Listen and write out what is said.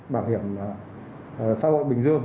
bảo hiểm xã hội bình dương